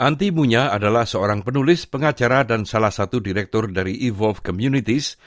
anti munya adalah seorang penulis pengacara dan salah satu direktur dari evolve communityes